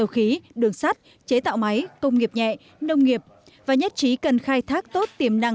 khí đường sắt chế tạo máy công nghiệp nhẹ nông nghiệp và nhất trí cần khai thác tốt tiềm năng